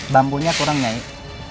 bambunya kurangnya eik